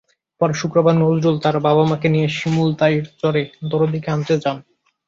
পরে শুক্রবার নজরুল তাঁর বাবা-মাকে নিয়ে শিমুলতাইড় চরে দরদীকে আনতে যান।